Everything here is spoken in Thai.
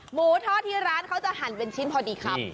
หมูทอดที่ร้านเขาจะหั่นเป็นชิ้นพอดีคำ